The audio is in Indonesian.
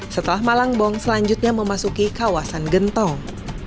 setelah malangbong selanjutnya memasuki kawasan gentong